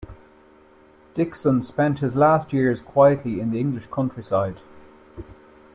Dickson spent his last years quietly in the English countryside.